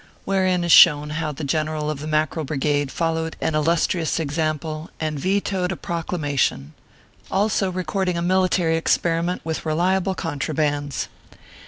WHEREIN IS SHOWN HOW THE GENERAL OP THE MACKEREL BRIGADE FOLLOWED AN ILLUSTRIOUS EXAMPLE, AND VETOED A PROCLAMA TION. ALSO RECORDING A MILITARY EXPERIMENT WITH RELIABLE CONTRABANDS.